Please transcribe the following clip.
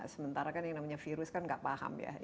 sementara kan yang namanya virus kan nggak paham ya